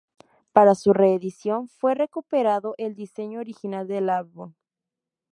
Para su reedición, fue recuperado el diseño original del álbum.